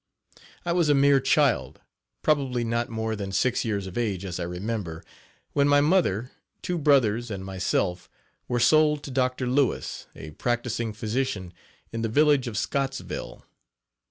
I was a mere child, probably not more than six years of age, as I remember, when my mother, two brothers and myself were sold to Dr. Louis, a practicing physician in the village of Scottsville.